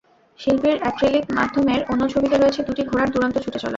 শিল্পীর অ্যাক্রিলিক মাধ্যমের অন্য ছবিতে রয়েছে দুটি ঘোড়ার দুরন্ত ছুটে চলা।